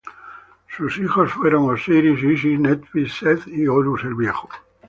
Sus hijos fueron Osiris, Isis, Neftis, Seth y Horus el viejo.